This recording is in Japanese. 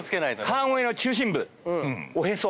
川越の中心部おへそ。